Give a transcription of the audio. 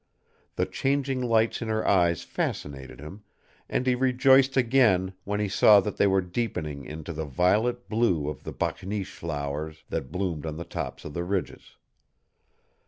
The changing lights in her eyes fascinated him, and he rejoiced again when he saw that they were deepening into the violet blue of the bakneesh flowers that bloomed on the tops of the ridges.